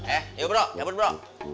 eh yuk bro kabur bro